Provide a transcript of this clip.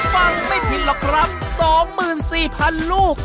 ฟังไม่ผิดหรอกครับ๒๔๐๐๐ลูก